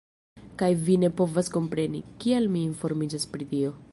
Kaj vi ne povas kompreni, kial mi informiĝas pri tio.